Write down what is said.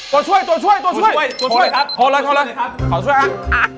ตัวช่วยตัวช่วยตัวช่วยตัวช่วยครับพอแล้วพอแล้วขอช่วยครับ